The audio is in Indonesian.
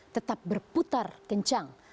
tetap berputar kencang